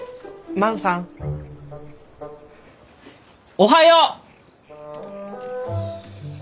おはよう！